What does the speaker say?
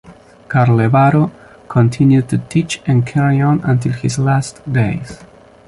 Carlevaro continued to teach and carry-on until his last days.